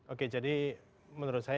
oke jadi menurut saya